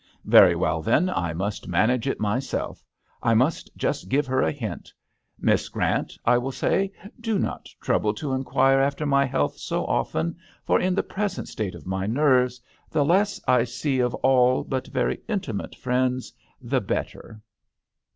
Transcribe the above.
" Very well, then, I must man age it myself. I must just give her a hint. * Miss Grant,* I will say, *do not trouble to inquire after my health so often, for in the present state of my nerves the less I see of all but very intimate friends the better.